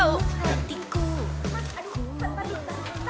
mas aduh patuh patuh patuh